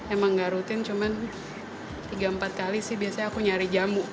emang gak rutin cuman tiga empat kali sih biasanya aku nyari jamu